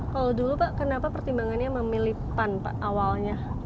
kalau dulu pak kenapa pertimbangannya memilih pan pak awalnya